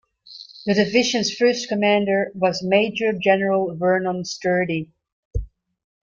The division's first commander was Major General Vernon Sturdee.